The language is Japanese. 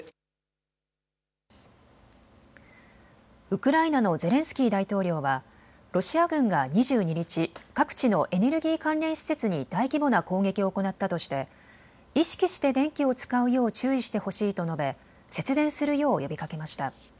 ウクライナのゼレンスキー大統領はロシア軍が２２日、各地のエネルギー関連施設に大規模な攻撃を行ったとして意識して電気を使うよう注意してほしいと述べ、節電するよう呼びかけました。